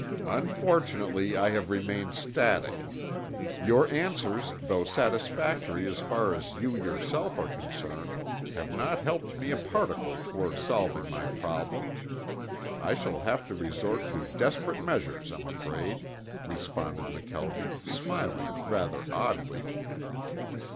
"Unfortunately I have remained static. Your answers though satisfactory as far as you yourself are concerned, have not helped me a particle toward solving my problem. I shall have to resort to desperate measures, I'm afraid," responded McKelvie, smiling rather oddly.